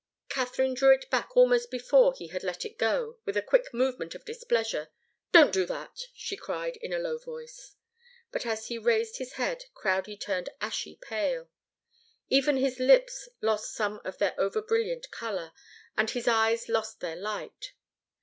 Katharine drew it back almost before he had let it go, with a quick movement of displeasure. "Don't do that!" she cried, in a low voice. But as he raised his head Crowdie turned ashy pale. Even his lips lost some of their over brilliant colour, and his eyes lost their light.